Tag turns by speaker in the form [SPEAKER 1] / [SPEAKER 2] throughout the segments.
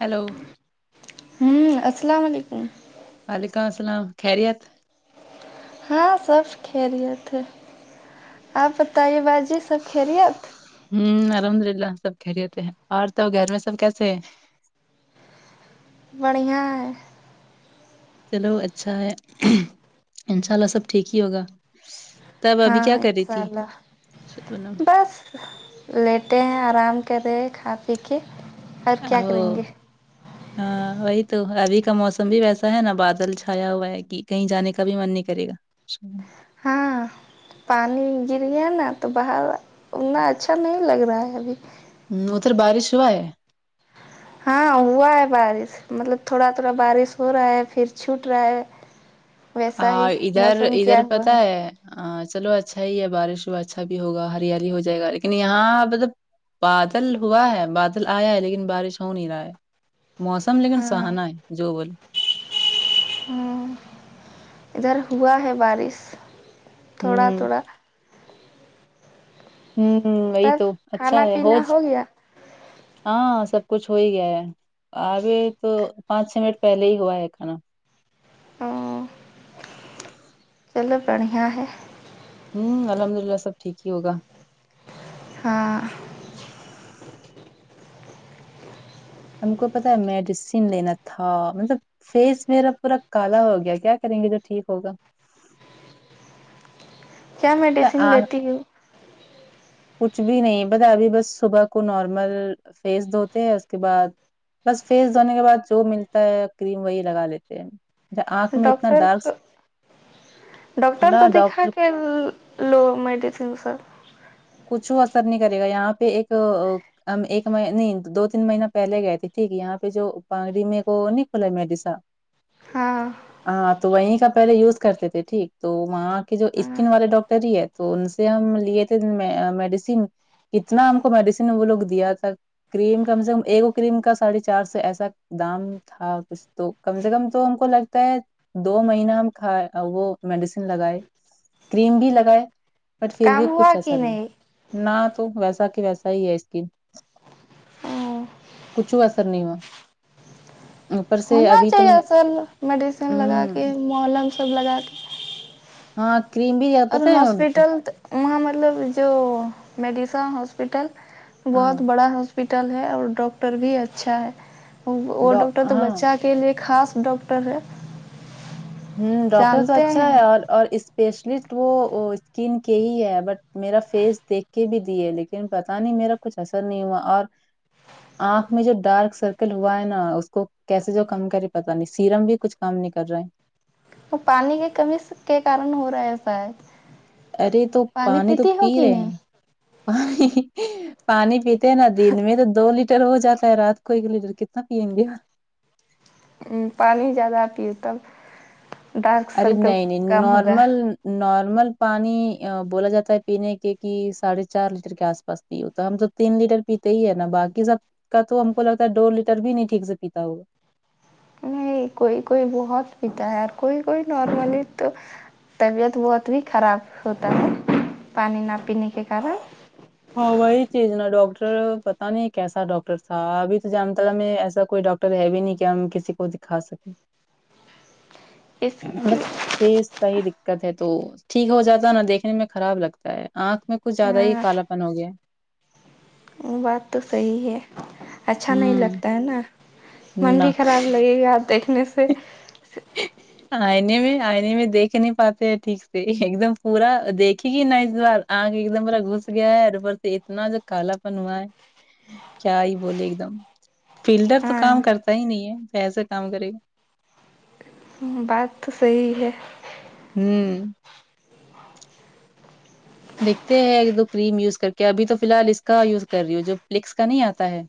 [SPEAKER 1] hello
[SPEAKER 2] ہوں السلام علیکم
[SPEAKER 1] وعلیکم السلام خیریت
[SPEAKER 2] ہاں سب خھرت ہے آپ بتائیے باجی سب خھریت
[SPEAKER 1] ہوں الحمد للہ سب خھرت ہوتے ہیں اور تو گھر میں سب کیسے ہے
[SPEAKER 2] بڑیا ہے
[SPEAKER 1] چلو اچھا ہے انشاء اللہ سب ٹھیک ہی ہوگا تب ابھی
[SPEAKER 2] ہاں
[SPEAKER 1] کیا کر رہی
[SPEAKER 2] انشاء
[SPEAKER 1] تھی
[SPEAKER 2] اللہ بس لیٹے ہیں آرام کر رہے ہیں کھا پی کے اور کیا
[SPEAKER 1] او
[SPEAKER 2] کریں گے
[SPEAKER 1] ہاں وہی تو ابھی کا موسم بھی ویسا ہے نا بادل چھایا ہوا ہے کی کہیں جانے کا بھی من نہیں کرے گا
[SPEAKER 2] ہاں پانی گر گیا نا تو باہر اتنا اچھا نہیں لگ رہا ہے ابھی
[SPEAKER 1] ہ اتھر بارش ہوا ہے
[SPEAKER 2] ہاں ہوا ہے بارش مطلب تھوڑا تھوڑا بارش ہو رہا ہے پھر چھوٹ رہا ہے
[SPEAKER 1] ہ
[SPEAKER 2] ویسا ہی
[SPEAKER 1] ادھر
[SPEAKER 2] موسم کیا
[SPEAKER 1] ادھر
[SPEAKER 2] ہوا
[SPEAKER 1] پتہ ہے ہاں چلو اچھا ہی ہے بارش ہوا اچھا بھی ہوگا ہریالی ہو جائے گا لیکن یہاں مطلب بادل ہوا ہے بادل آیا ہے لیکن بارش ہو نہیں رہا ہے موسم لیکن
[SPEAKER 2] ہاں
[SPEAKER 1] سہانا ہے جو بول
[SPEAKER 2] ہ ادھر ہوا ہے بارش تھوڑا
[SPEAKER 1] ہوں
[SPEAKER 2] تھوڑا
[SPEAKER 1] ہوں وہی
[SPEAKER 2] تب
[SPEAKER 1] تو اچھا
[SPEAKER 2] کھانا
[SPEAKER 1] ہے ہو
[SPEAKER 2] پینا گیا
[SPEAKER 1] ہاں سب کچھ ہو ہی گیا ہے آگے تو پانچ چھ منٹ پہلے ہی ہوا ہے کھانا
[SPEAKER 2] ہ چلو بڑھیا ہے
[SPEAKER 1] ہوں الحمد للہ سب ٹھیک ہی ہوگا
[SPEAKER 2] ہاں
[SPEAKER 1] ہم کو پتا ہے میڈیسین لینا تھا مطلب فیس میرا پورا کالا ہو گیا کیا کریں گے جو ٹھیک ہوگا
[SPEAKER 2] کیا میڈیسین
[SPEAKER 1] آ-
[SPEAKER 2] لیتی ہوں
[SPEAKER 1] کچھ بھی نہیں بتا ابھی بس صبح کو نارمل فیس دھوتے ہیں اس کے بعد بس فیس دھونے کے بعد جو ملتا ہے کریم وہی لگا لیتے ہیں آنکھ میں اتنا
[SPEAKER 2] ڈاکٹر کو
[SPEAKER 1] ڈارک
[SPEAKER 2] ڈاکٹر
[SPEAKER 1] نہ
[SPEAKER 2] کو دکھا
[SPEAKER 1] ڈاکٹر
[SPEAKER 2] کے ل لو میڈیسن سر
[SPEAKER 1] کچھ اثر نہیں کرے گا یہاں پہ ایک ہم ایک نہیں دو تین مہینہ پہلے گئے تھے ٹھیک یہاں پہ جو پانگڑی میں ایک وہ نہیں کھلا میڈیسا
[SPEAKER 2] ہاں
[SPEAKER 1] ہاں تو وہیں کا پہلے یوز کرتے تھے ٹھیک تو وہاں کے جو
[SPEAKER 2] ہاں
[SPEAKER 1] اسکن والے ڈاکٹر ہی ہے تو ان سے ہم لیے تھے میڈیسین کتنا ہم کو میڈیسین وہ لوگ دیا تھا کریم کم سے کم ایکو کریم کا ساڑھے چار سو ایسا دام تھا کچھ تو کم سے کم تو ہم کو لگتا ہے دو مہینہ ہم کھائے وہ میڈیسین لگائے کریم بھی لگائے بٹ پھر بھی
[SPEAKER 2] کام ہوا
[SPEAKER 1] کچھ
[SPEAKER 2] کہ
[SPEAKER 1] اثر نہیں نہ تو ویسا کہ ویسا ہی ہے اسکین کچھ اثر نہیں ہوا اوپر سے ابھی تو میں-
[SPEAKER 2] ل میڈیسین لگا
[SPEAKER 1] ہوں
[SPEAKER 2] کے محلم سب لگا کے
[SPEAKER 1] ہاں کریم بھی زیادہ
[SPEAKER 2] اور
[SPEAKER 1] پسند ہے [unintelligible]
[SPEAKER 2] ہاسپٹل وہاں مطلب جو میڈیسا ہاسپٹل
[SPEAKER 1] ہاں
[SPEAKER 2] بہت بڑا ہا ہسپٹل ہے اور ڈاکٹر بھی اچھا ہے وہ
[SPEAKER 1] ڈ
[SPEAKER 2] ڈاکٹر تو
[SPEAKER 1] ہاں
[SPEAKER 2] بچہ کے لیے خاص ڈاکٹر ہے
[SPEAKER 1] ہوں ڈاکٹر تو
[SPEAKER 2] جانتے
[SPEAKER 1] اچھا
[SPEAKER 2] ہیں
[SPEAKER 1] ہے اور اور اسپیشلسٹ وہ اسکن کے ہی ہے بٹ میرا فیس دیکھ کے بھی دیے لیکن پتا نہیں میرا کچھ اثر نہیں ہوا اور آنکھ میں جو ڈارک سرکل ہوا ہے نا اس کو کیسے جو کم کرے پت نہیں سییرم بھی کچھ کام نہیں کر رہا ہے
[SPEAKER 2] تو پانی کی کمی کے کارن ہو رہا ہے ساید
[SPEAKER 1] ارے تو پانی تو پی
[SPEAKER 2] کہ
[SPEAKER 1] رہے
[SPEAKER 2] نہیں
[SPEAKER 1] پانی پیتے ہیں نا دن میں تو دو لیٹر ہو جاتا ہے رات کو ایک لیٹر کتنا پییں گے
[SPEAKER 2] پانی زیادہ پئے تب ڈارک
[SPEAKER 1] ارے
[SPEAKER 2] سرکل
[SPEAKER 1] نہیں نہیں
[SPEAKER 2] کم ہوگا
[SPEAKER 1] نارمل نارمل پانی بولا جاتا ہے پینے کے کہ ساڑھے چار لیٹر کے آس پاس پستی ہو تو ہم تو تین لیٹر پیتے ہی ہے نا باقی سب کا تو ہم کو لگتا ہے دو لیٹر بھی نہیں ٹھیک سے پیتا ہوا
[SPEAKER 2] کوئی کوئی بہت پتا ہے اور کوئی کوئی نارملی تو طبیعت بہت بھی خراب ہوتا ہے پانی نہ پینے کے کارن
[SPEAKER 1] ہاں وہی چیز نا ڈاکٹر پتا نہیں کیسا ڈاکٹر تھا ابھی تو جام تال میں ایسا کوئی ڈاکٹر ٹر ہے بھی نہیں کہ ہم کسی کو دکھا سکیں
[SPEAKER 2] اس
[SPEAKER 1] بس
[SPEAKER 2] کی
[SPEAKER 1] فیس کا ہی دکت ہے تو ٹھیک ہو جاتا نا دیکھنے میں خراب لگتا ہے آنکھ میں کچھ زیادہ ہی
[SPEAKER 2] ہاں
[SPEAKER 1] کالاپن ہو گیا
[SPEAKER 2] بات تو صحیح ہے اچھا نہیں
[SPEAKER 1] ہوں
[SPEAKER 2] لگتا ہے نا من
[SPEAKER 1] نہ
[SPEAKER 2] بھی خراب لگے گیا دیکھنے سے
[SPEAKER 1] [inaudible] آئنے میں آئنے میں دیکھ نہیں پاتے ہیں ٹھیک سے ایک دم پورا دیکھے گی ن اس بار آنکھ ایک دم پورا گھس گیا ہے ا اوپر سے اتنا جو کالا پن ہوا ہے کیا ہی بولے ایک دم فلڈر تو
[SPEAKER 2] ہاں
[SPEAKER 1] کام کرتا ہی نہیں ہے ایسا کام کرے گا
[SPEAKER 2] ہ بات تو صحیح ہے
[SPEAKER 1] ہوں دیکھتے ہیں ایک دو کریم یوز کر کے ابھی تو فی الحال اس کا یوز کر رہی ہ ہو جو فلکس کا نہیں آتا ہے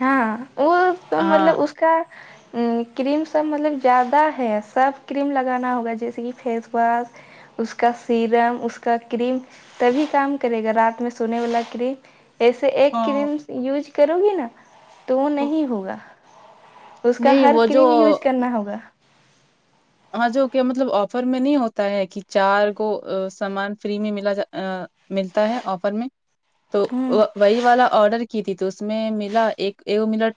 [SPEAKER 2] ہاں وہ تو
[SPEAKER 1] ہاں
[SPEAKER 2] مطلب اس کا کریم سب مطلب زیادہ ہے سب کریم لگانا ہوگا جیسے کہ فیس واس اس کا سیرم اس کا کریم تبھی کام کرے گا رات میں سونے والا کریم ایسے ایک
[SPEAKER 1] ہاں
[SPEAKER 2] کریم یوز کرو گی نا تو وہ نہیں ہوگا اس کا
[SPEAKER 1] نہیں
[SPEAKER 2] ہر
[SPEAKER 1] وہ جو
[SPEAKER 2] کریم یوج کرنا ہوگا
[SPEAKER 1] ہاں جو کہ مطلب آفر میں نہیں ہوتا ہے کہ چار کو سامان فری میں ملا ج ملتا ہے آفر میں تو
[SPEAKER 2] ہوں
[SPEAKER 1] وہی والا آڈر کی تھی تو اس میں ملا ایک ملا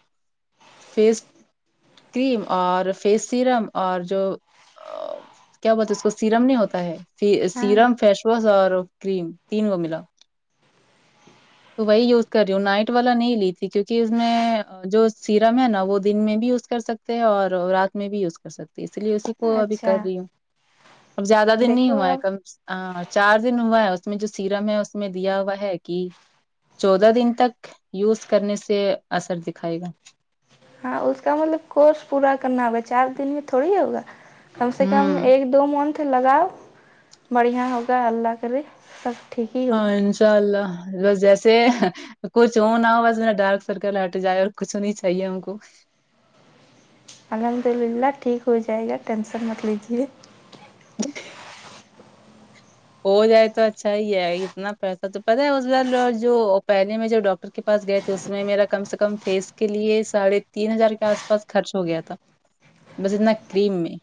[SPEAKER 1] فیس کریم اور فیس سیرم اور جو آ، کیا بولتے اس کو سیرم نہیں ہوتا ہے
[SPEAKER 2] ہاں
[SPEAKER 1] سیرم فیش واش اور کریم تین کو ملا تو وہی یوز کر رہی ہوں نائٹ والا نہیں لی تھی کیونکہ اس میں جو سیرم ہے نا وہ دن میں بھی یوز کر سکتی اور رات میں بھی یوز کر سکتے ہیں اس لیے اس وہ ا بھی کر
[SPEAKER 2] اچھا
[SPEAKER 1] رہی ہوں اب زیادہ دن نہیں
[SPEAKER 2] دیکھو
[SPEAKER 1] ہوا ہے
[SPEAKER 2] اب
[SPEAKER 1] کم ہاں چار دن ہوا ہے اس میں جو سیرم ہے اس میں دیا ہوا ہے کہ چودہ دن تک یوز کرنے سے اثر دکھائے گا
[SPEAKER 2] ہاں اس کا مطلب کورس پورا کرنا ہو چار دن میں تھوڑی ہوگا کم سے کم
[SPEAKER 1] ہوں
[SPEAKER 2] ایک دو منتھ لگاؤ بڑھیا ہوگا اللہ کرے سب ٹھیک ہی
[SPEAKER 1] ہاں
[SPEAKER 2] ہوگا
[SPEAKER 1] انشاء اللہ بس جیسے کچھ ہو نہ ہو بس ما ڈارک سرکل ہٹ جائے اور کچھ ہو نہیں چاہیے ہم کو
[SPEAKER 2] الحمد للہ ٹھیک ہو جائے گا ٹینسن مت لیجیے
[SPEAKER 1] ہو جائے تو اچھا ہی ہے اتنا پیسہ تو پتاہ ہے ب جو پہلے میں جو ڈٹر کے پاس گئے تھے اس میں میرا کم سے کم فیس کے لیے ساڑھے تین ہزار کے آس پاس خرچ ہو گیا تھا بس اتنا کریم میں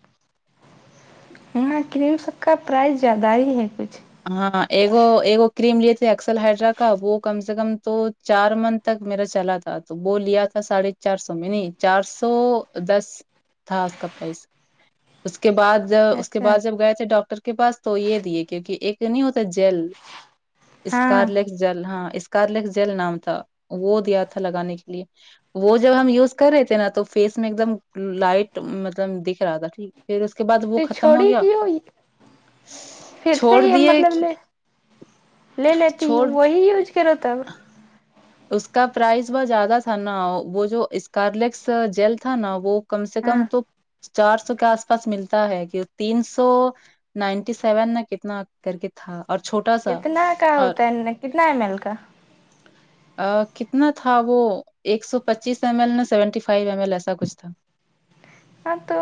[SPEAKER 2] ہاں کریم سب کا پرائز زیادہ ہی ہے کچھ
[SPEAKER 1] ہاں ایک ایک کریم لیے تھے اکسل ہائڈرا کا وہ کم سے کم تو چار منتھ تک میرا چلا تھا تو وہ لیا تھا ساڑھے چار سو میں نہیں چار سو دس تھا اس کا پرائز اس کے بعد اس کے
[SPEAKER 2] اچھا
[SPEAKER 1] بعد جب گئے تھے ڈاکٹر کے پاس تو یہ دیے کیونکہ ایک نہیں ہوتا جل
[SPEAKER 2] ہاں
[SPEAKER 1] اسکارلیکس جل ہاں اسکارلیکس جل نام تھا وہ دیا تھا لگانے کے لیے وہ جب ہم یوز کر رہے تھے نا تو فیس میں ایک دم لائٹ مطلب دکھ رہا تھا ٹھیک پھر اس کے بعد وہ
[SPEAKER 2] تو
[SPEAKER 1] ختم ہو
[SPEAKER 2] چھوڑی
[SPEAKER 1] گیا
[SPEAKER 2] کیوں پھر سے
[SPEAKER 1] چھوڑ
[SPEAKER 2] یہ
[SPEAKER 1] دیے
[SPEAKER 2] مطلب لے لے لیتی
[SPEAKER 1] چھوڑ
[SPEAKER 2] وہی یوج کرو تب
[SPEAKER 1] اس کا پرائز بہت زیادہ تھا نا وہ جو اسکارلیکس جیل تھا نا وہ کم سے کم
[SPEAKER 2] ہاں
[SPEAKER 1] تو چار سو کے آس پاس ملتا ہے کہ تین سو نائنٹی سیون نا کتنا کر کے تھا اور چھوٹا سا
[SPEAKER 2] کتنا کا
[SPEAKER 1] اور
[SPEAKER 2] ہوتا ہے کتنا ایم ایل کا
[SPEAKER 1] کتنا تھا وہ ایک سو پچیس ایم ایل نہا سیونٹی فائیو ایم ایل ایسا کچھ تھا
[SPEAKER 2] ہاں تو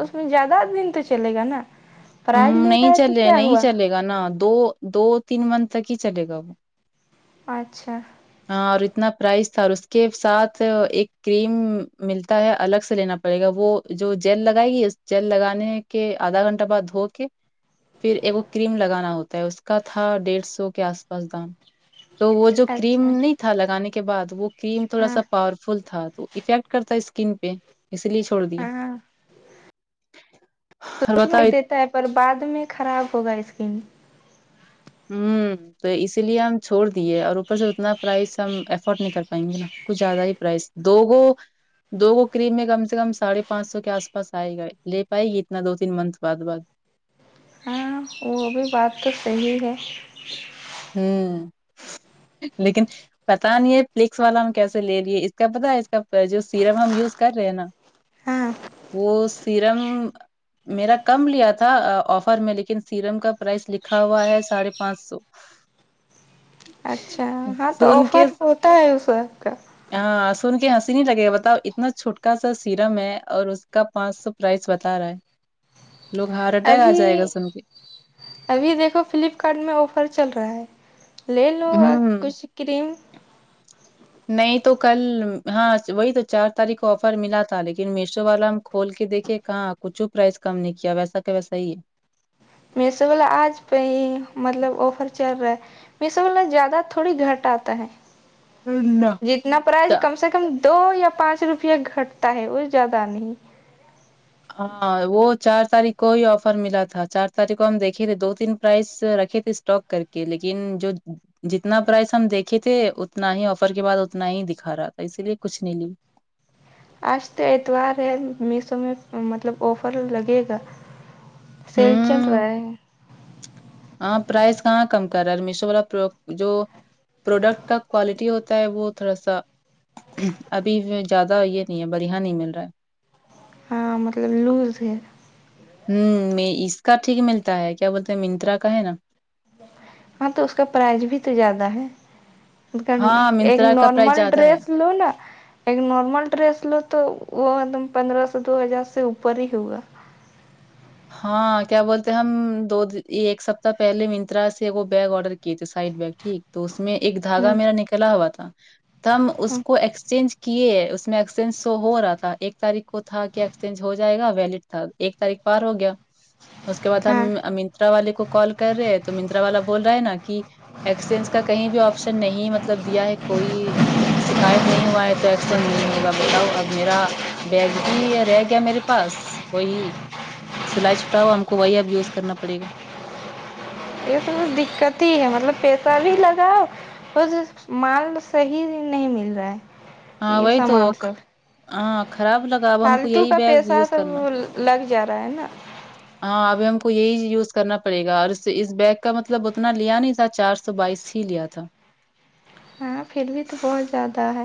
[SPEAKER 2] اس میں زیادہ دن تو چلے گا نا
[SPEAKER 1] ہ
[SPEAKER 2] پرائز لے رہا
[SPEAKER 1] نہیں
[SPEAKER 2] ہے تو
[SPEAKER 1] چلے
[SPEAKER 2] کیا
[SPEAKER 1] نہیں
[SPEAKER 2] ہوا
[SPEAKER 1] چلے گا نا دو دو تین منتھ تک ہی چلے گا وہ
[SPEAKER 2] اچھا
[SPEAKER 1] ہاں اور اتنا پرائز تھا اور اس کے ساتھ ایک کریم ملتا ہے الگ سے لینا پڑے گا وہ جو جیل لگائے گی اس جیل لگانے کے آدھا گھنٹہ بعد ہو کے پھر ایک کریم لگانا ہوتا ہے اس کا تھا ڈیڑھ سو کے آس پاس دام تو وہ جو کریم
[SPEAKER 2] اچھا
[SPEAKER 1] نہیں تھا لگانے کے بعد وہ کریم تھوڑا
[SPEAKER 2] ہاں
[SPEAKER 1] سا پاورفل تھا تو افیکٹ کرتا اسکن پہ اسی لیے چھوڑ دیے
[SPEAKER 2] ہاں
[SPEAKER 1] اور
[SPEAKER 2] دوسرو
[SPEAKER 1] بتاؤ
[SPEAKER 2] ہی
[SPEAKER 1] ات-
[SPEAKER 2] دیتا ہے پر بعد میں خراب ہوگا اسکن
[SPEAKER 1] ہ تو اسی لیے ہم چھوڑ دیے اور اوپر سے اتنا پرائز ہم افورڈ نہیں کر پائیں گے نا کچ زیادہ ہی پرائز دو وہ دو وه کریم میں کم سے کم سڑھے پانچ سو کے آس پاس آئے گا لے پائے گی اتنا دو تین منتھ بعد بعد
[SPEAKER 2] ہاں وہ بھی بات تو صحیح ہے
[SPEAKER 1] ھم لیکن پتا نہیں ہے پلیکس والا ہم کیسے لے لیے اس کا پتا ہے اس کا پرائس جو سیرم ہم یوز کر رہے ہیں نا
[SPEAKER 2] ہاں
[SPEAKER 1] وہ سیرم میرا کم لیا تھا آفر میں لیکن سیرم کا پرائس لکھا ہوا ہے ساڑھے پانچ سو
[SPEAKER 2] اچھا ہاں تو
[SPEAKER 1] سن کے
[SPEAKER 2] آفر ہوتا ہے اس وقت کا
[SPEAKER 1] ہاں سن کے ہنسی نہیں لگے گا بتاؤ اتنا چھوٹکا سا سیرم ہے اور کا پانچ سو پرائس بتا رہا ہے لوگ ہارٹ اٹیک آ
[SPEAKER 2] ابھی
[SPEAKER 1] جائے گا سن کے
[SPEAKER 2] ابھی دیکھو فلپکارٹ میں آفر چل رہا ہے لے لو
[SPEAKER 1] ہوں
[SPEAKER 2] کچھ کریم
[SPEAKER 1] نہیں تو کل ہاں وہی تو چار تاریخ کو آفر ملا تھا لیکن میشو والا ہم کھول کے دیکھے کہاں کچھ پرائز کم نہیں کیا ویسا کہ ویسا ہی ہے
[SPEAKER 2] میشو والا آج پہ ہی مطلب آفر چل رہا ہے میشو والا زیادہ تھوڑی گھٹ آتا ہے
[SPEAKER 1] ہے اللہ
[SPEAKER 2] جتنا پرائز کم سے کم دو یا پانچ روپیہ گھٹتا ہے وہ زیادہ نہیں
[SPEAKER 1] ہاں وہ چار تاریخ کو ہی آفر ملا تھا چار تاریخ کو ہم دیکھے تھے دو تین پرائز رکھے تھے اسٹاک کر کے لیکن جو جتنا پرائز ہم دیکھے تھے اتنا ہی آفر کے بعد اتنا ہی دکھا رہا تھا اسی لیے کچھ نہیں لی
[SPEAKER 2] آج تو اتوار ہے میشو میں مطلب آفر لگے گا سیل چل
[SPEAKER 1] ہوں
[SPEAKER 2] رہا ہے
[SPEAKER 1] ہاں پرائز کہاں کم کر رہا ہے میشو والا پرو جو پروڈکٹ کا کوالٹی ہوتا ہے وہ تھوڑا سا ابھی زیادہ یہ نہیں ہے بڑھیا نہیں مل رہا ہے
[SPEAKER 2] ہاں مطلب لوز ہے
[SPEAKER 1] ہوں اس کا ٹھیک ملتا ہے کیا بولتے ہیں منترا کا ہے نا
[SPEAKER 2] ہاں تو اس کا پرائز بھی تو زیادہ ہے
[SPEAKER 1] ہاں
[SPEAKER 2] ایک
[SPEAKER 1] منترا کا پرائز
[SPEAKER 2] نارمل
[SPEAKER 1] زیادہ ہے
[SPEAKER 2] ڈریس لوں نا ایک نارمل ڈریس لو تو وہ ایک دم پندرہ سےو دو ہزار سے اوپر ہی ہوگا
[SPEAKER 1] ہاں کیا بولتے ہم دو ایک سپتہ پہلے منترا سے بیگ آڈر کیے تھے سائڈ بیگ ٹھیک تو اس میں ایک دھاگا
[SPEAKER 2] ہ
[SPEAKER 1] میرا نکلا ہوا تھا تو ہم اس کو ایکسچینج کیے اس میں ایکسچینج سو ہو رہا تھا ایک تاریخ کو تھا کہ ایکسچینج ہو جائے گا ویلڈ تھا ایک تاریخ پار ہو گیا اس کے بعد ہم
[SPEAKER 2] ہاں
[SPEAKER 1] منترا والے کو کال کر رہے ہیں تو منترا والا بول رہا ہے نا کی ایکسچینج کا کہیں بھی آپشن نہیں مطلب دیا ہے کوئی شکایت نہیں ہوا ہے تو ایکسینج نہیں ہوگا بتاؤ اب میرا بیگ بھی رہ گیا میرے پاس وہی سلائی چھٹا ہوا ہم کو وہی اب یوز کرنا پڑیگا
[SPEAKER 2] یہ سب دقت ہی ہے مطلب پیسہ بھی لگاؤ پر مال صحیح نہیں مل رہا ہے
[SPEAKER 1] ہاں
[SPEAKER 2] یہ
[SPEAKER 1] وہی تو
[SPEAKER 2] سامان سب
[SPEAKER 1] ہاں خراب لگ
[SPEAKER 2] فالتو کا پیسہ تو وہ لگ جا رہا ہے نا
[SPEAKER 1] ہاں ابھی ہم کو یہی یوز کرنا پڑے گا اور اس اس بیگ کا مطلب اتنا لیا نہیں تھا چار س سو بائیس ہی لیا تھا
[SPEAKER 2] ہاں پھر بھی تو بہت زیادہ ہے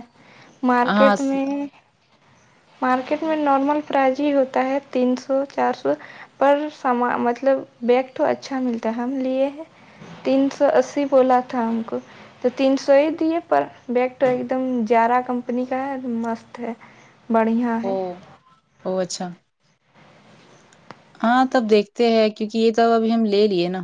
[SPEAKER 1] ہاں
[SPEAKER 2] مارکیٹ میں مارکیٹ میں نارمل پرائز ہی ہوتا ہے تین سو چار سو پر سامان مطلب بیگ تو اچھا ملتا ہے ہم لیے ہیں تین سو اسی بولا تھا ہم کو تو تین سو ہی دیے پر بیگ تو ایک دم جارا کمپنی کا ہے مست ہے بڑھیا
[SPEAKER 1] او
[SPEAKER 2] ہے
[SPEAKER 1] او اچھا ہاں تب دیکھتے ہیں کیونکہ یہ تو ابھی ہم لے لیے نا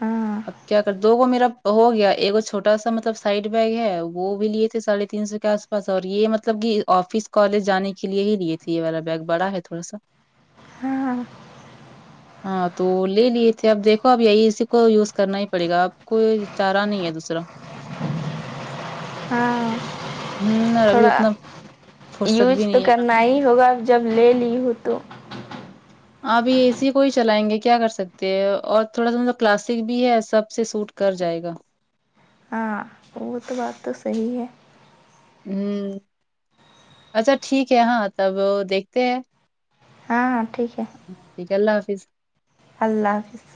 [SPEAKER 2] ہاں
[SPEAKER 1] اب کیا کر دو گو میرا ہو گیا ایک چھوٹا سا مطلب سائڈ بیگ ہے وہ بھی لیے تھےاڑھے تین سو کے آس پاس بس اور یہ مطلب کہ آفس کالج جانے کے لیے ہی لیے تھے یہ والا بیگ بڑا ہے تھوڑا سا [inaudible]
[SPEAKER 2] ہاں ہاں
[SPEAKER 1] ہاں تو لے لیے تھے اب دیکھو اب یہی اسی کو یوز کرنا ہی پڑے گا آپ کو چارہ نہیں ہے دوسرا
[SPEAKER 2] ہاں
[SPEAKER 1] ہ ابھی
[SPEAKER 2] تھوڑا
[SPEAKER 1] اتنا فرصت بھی نہیں ہے نا
[SPEAKER 2] نہیں ہوگا جب لے لی ہوں تو
[SPEAKER 1] ابھی اے سی کو ہی چلائیں گے کیا کر سکتے ہیں اور تھوڑا سا مطلب کلاسک بھی ہے سب سے سوٹ کر جائے گا
[SPEAKER 2] ہاں وہ تو بات تو صحیح ہے
[SPEAKER 1] ہ اچھا ٹھیک ہے ہاں تب دیکھتے ہیں
[SPEAKER 2] ہاں ٹھیک ہے
[SPEAKER 1] ہاں ٹھیک ہے اللہ حافظ
[SPEAKER 2] اللہ حافظ